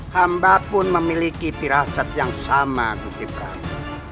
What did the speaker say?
hamba pun memiliki pirasat yang sama gusti prabu